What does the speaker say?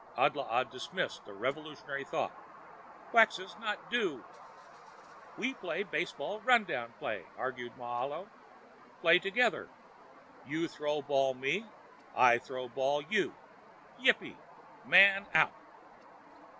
Adlaa dismissed the revolutionary thought. "Quxas not do." "We play baseball run down play," argued Moahlo. "Play together. You throw ball me. I throw ball you. Yippee. Man out."